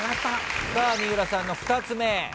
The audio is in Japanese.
さあ三浦さんの２つ目。